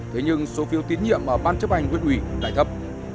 thế nhưng số phiêu tín nhiệm ở bán chấp hành huyện ủy lại thấp